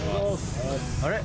あれ？